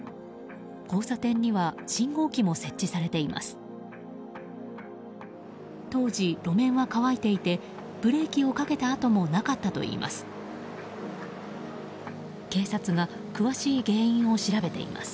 交差点には信号機も設置されています。